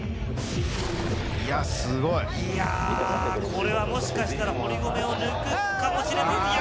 すごい！これはもしかしたら堀米を抜くかもしれない。